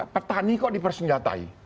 petani kok dipersenjatai